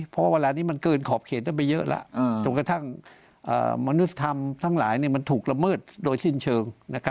เพราะเวลานี้มันเกินขอบเขตต้องไปเยอะแล้วจนกระทั่งมนุษยธรรมทั้งหลายมันถูกละเมิดโดยสิ้นเชิง